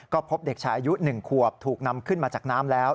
ก็พบเด็กชายอายุ๑ขวบถูกนำขึ้นมาจากน้ำแล้ว